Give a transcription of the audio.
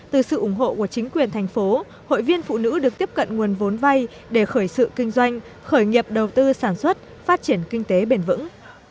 từ sự ủng hộ của chính quyền thành phố hội viên phụ nữ được tiếp cận nguồn vốn vay để khởi sự kinh doanh khởi nghiệp đầu tư sản xuất phát triển kinh tế bền vững